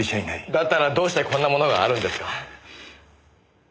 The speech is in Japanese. だったらどうしてこんなものがあるんですか？